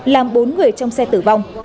làm bốn người trong xe tử vong